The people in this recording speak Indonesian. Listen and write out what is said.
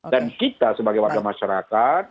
dan kita sebagai masyarakat